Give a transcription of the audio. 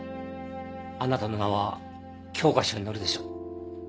あなたの名は教科書に載るでしょう。